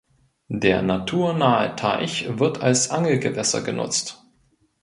Der naturnahe Teich wird als Angelgewässer genutzt.